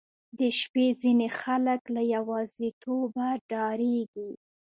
• د شپې ځینې خلک له یوازیتوبه ډاریږي.